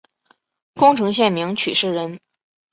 宫城县名取市人。